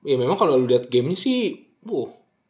ya memang kalau lo liat gamenya sih